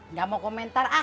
nggak mau komentar ah